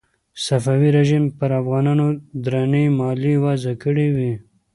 صفوي رژیم پر افغانانو درنې مالیې وضع کړې وې.